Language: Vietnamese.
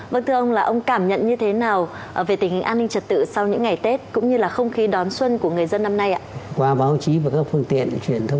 vâng thưa ông là ông cảm nhận như thế nào về tình hình an ninh trật tự